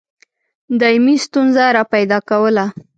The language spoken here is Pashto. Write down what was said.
دایمي ستونزه را پیدا کوله.